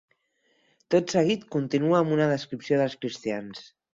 Tot seguit, continua amb una descripció dels cristians.